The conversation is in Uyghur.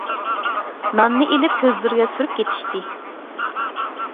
ناننى ئېلىپ كۆزلىرىگە سۈرۈپ كېتىشتى.